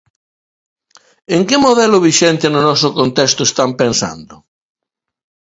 ¿En que modelo vixente no noso contexto están pensando?